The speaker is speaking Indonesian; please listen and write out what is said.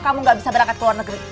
kamu gak bisa berangkat ke luar negeri